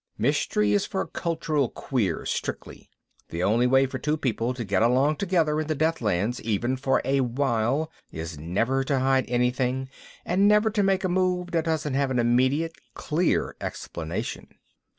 Mystery is for cultural queers, strictly. The only way for two people to get along together in the Deathlands, even for a while, is never to hide anything and never to make a move that doesn't have an immediate clear explanation.